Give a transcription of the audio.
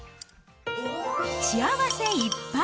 幸せいっぱい！